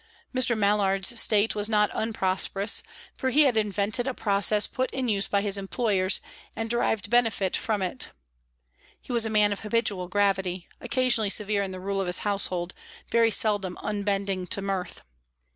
Mr. Mallard's state was not unprosperous, for he had invented a process put in use by his employers, and derived benefit from it. He was a man of habitual gravity, occasionally severe in the rule of his household, very seldom unbending to mirth.